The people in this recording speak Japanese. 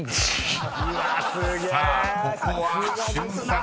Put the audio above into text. ［さあここは瞬殺。